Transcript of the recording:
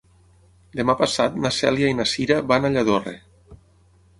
Demà passat na Cèlia i na Cira van a Lladorre.